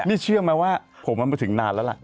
นี่เชื่อไหมว่าผมมันมาถึงนานแล้วล่ะ